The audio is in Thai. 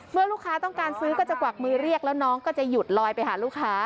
เมื่อลูกค้าต้องการซื้อก็จะกวักมือเรียกแล้วน้องก็จะหยุดลอยไปหาลูกค้า